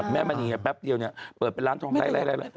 แม่มันอยู่แป๊บเดียวเปิดเป็นร้านทองไทย